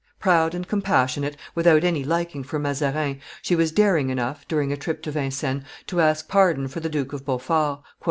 Proud and compassionate, without any liking for Mazarin, she was daring enough, during a trip to Vincennes, to ask pardon for the Duke of Beaufort.